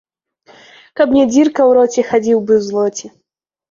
Каб не дзірка ў роце, хадзіў бы ў злоце